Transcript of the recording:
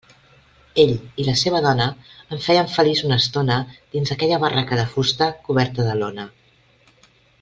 Ell i la seva dona em feien feliç una estona dins aquella barraca de fusta coberta de lona.